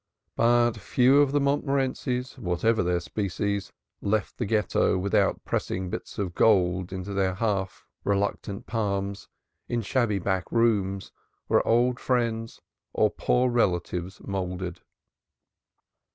But few of the Montmorencis, whatever their species, left the Ghetto without pressing bits of gold into half reluctant palms in shabby back rooms where old friends or poor relatives mouldered.